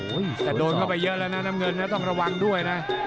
แต่โดนเข้าไปเยอะแล้วนะน้ำเงินนะต้องระวังด้วยนะ